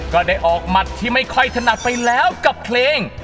ก็ได้ออกหมัดที่ไม่ค่อยถนัดไปแล้วกับเพลง